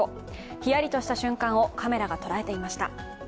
ヒヤリとした瞬間をカメラが捉えていました。